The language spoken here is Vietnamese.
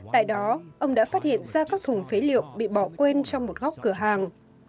tại đó ông đã phát hiện ra các thùng phế liệu bị bỏ quên trong một góc cửa hàng